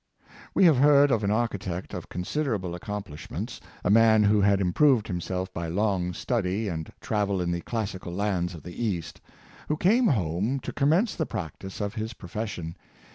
We have heard of an architect of considerable ac complishments— a man who had improved himself by long study, and travel in the classical lands of the East — who came home to commence the practice of his profession.